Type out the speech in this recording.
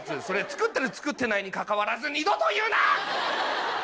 それ作ってる作ってないにかかわらず二度と言うな！